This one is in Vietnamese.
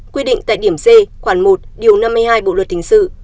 quy định tại điểm d khoảng một điều năm mươi hai bộ luật thính sự